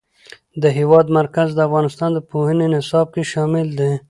د هېواد مرکز د افغانستان د پوهنې نصاب کې شامل دی.